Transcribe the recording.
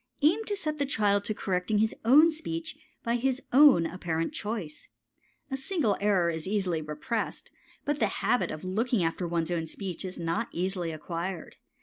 Aim to set the child to correcting his own speech by his own apparent choice. A single error is easily repressed, but the habit of looking after one's own speech is not easily acquired.